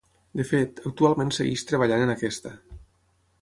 De fet, actualment segueix treballant en aquesta.